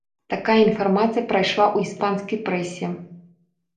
Такая інфармацыя прайшла ў іспанскай прэсе.